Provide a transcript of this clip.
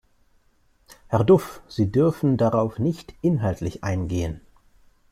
Herr Duff, Sie dürfen darauf nicht inhaltlich eingehen.